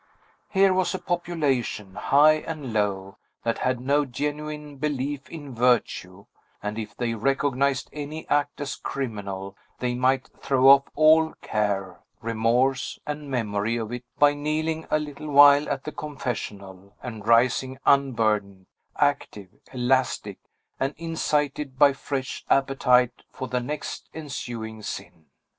Here was a population, high and low, that had no genuine belief in virtue; and if they recognized any act as criminal, they might throw off all care, remorse, and memory of it, by kneeling a little while at the confessional, and rising unburdened, active, elastic, and incited by fresh appetite for the next ensuing sin.